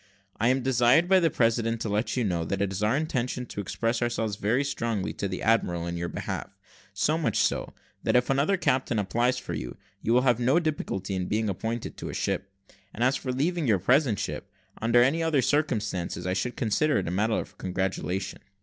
I am desired by the president to let you know, that it is our intention to express ourselves very strongly to the admiral in your behalf; so much so, that if another captain applies for you, you will have no difficulty in being appointed to a ship; and as for leaving your present ship, under any other circumstances, I should consider it a matter of congratulation."